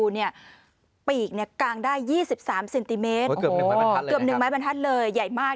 นี่ก็ย่ายมาก